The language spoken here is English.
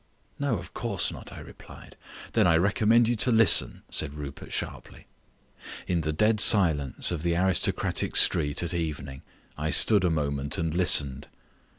"No, of course not," I replied. "Then I recommend you to listen," said Rupert sharply. In the dead silence of the aristocratic street at evening, I stood a moment and listened.